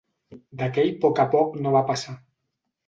D'aquell poc a poc no va passar.